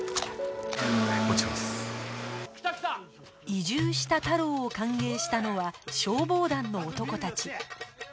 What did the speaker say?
移住した太郎を歓迎したのは消防団の男たち